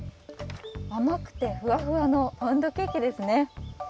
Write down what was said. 甘くてふわふわのパウンドケーキですね。